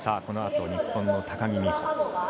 このあと、日本の高木美帆。